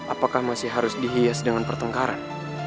apakah masih harus dihias dengan pertengkaran